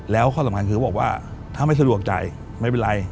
แล้วข้อสำคัญคือเขาบอกว่าถ้าไม่สะดวกจ่ายไม่เป็นไร